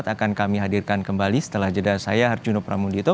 dua ribu dua puluh empat akan kami hadirkan kembali setelah jeda saya harjuno pramundito